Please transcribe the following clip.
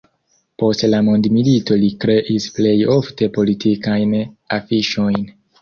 Post la mondomilito li kreis plej ofte politikajn afiŝojn.